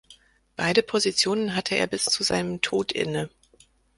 Beide Positionen hatte er bis zu seinem Tod inne.